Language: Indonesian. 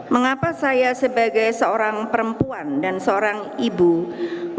mengapa saya sebagai seorang perempuan dan seorang ibu